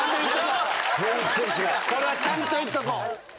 それはちゃんと言っとこう。